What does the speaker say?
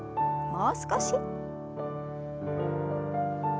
もう少し。